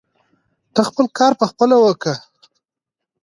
ته خپل کار پخپله وکړه.